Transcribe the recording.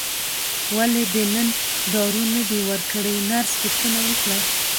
ولې دې نن دارو نه دي ورکړي نرس پوښتنه وکړه.